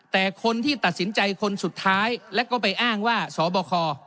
แต่คนที่ตัดสินใจคนสุดท้ายแล้วก็ไปอ้างว่าสบค